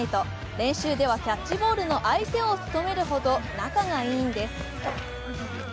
練習ではキャッチボールの相手を務めるほど仲がいいんです。